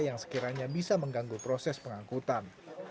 yang sekiranya bisa mengganggu proses pengangkutan